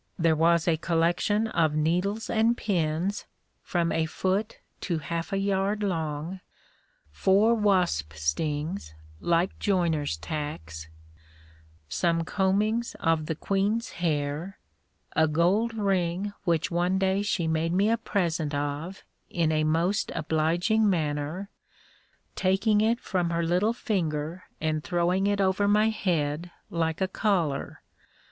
There was a collection of needles and pins, from a foot to half a yard long; four wasp stings, like joiners' tacks; some combings of the queen's hair; a gold ring which one day she made me a present of, in a most obliging manner, taking it from her little finger and throwing it over my head like a collar.